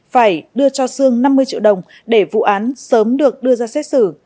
phải đưa cho sương năm mươi triệu đồng để vụ án sớm được đưa ra xét xử